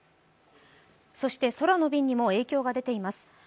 空の便にも影響が出ています。